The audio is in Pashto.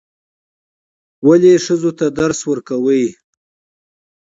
ولې ښځو ته درس ورکوئ؟